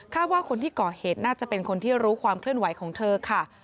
ว่าคนที่ก่อเหตุน่าจะเป็นคนที่รู้ความเคลื่อนไหวของเธอค่ะ